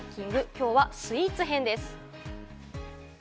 きょうはスイーツ編です。